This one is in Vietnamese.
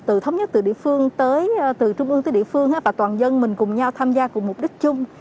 từ thống nhất từ địa phương tới từ trung ương tới địa phương và toàn dân mình cùng nhau tham gia cùng mục đích chung